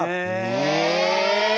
え！